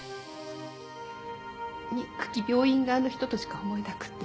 憎き病院側の人としか思えなくて。